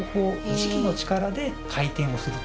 磁気の力で回転をすると。